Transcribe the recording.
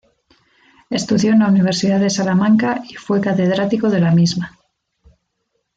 Estudió en la Universidad de Salamanca y fue catedrático de la misma.